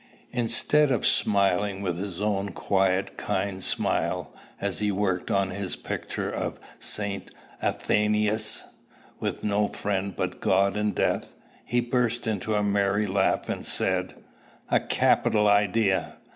Instead of smiling with his own quiet kind smile, as he worked on at his picture of St. Athanasius with "no friend but God and Death," he burst into a merry laugh, and said, "A capital idea!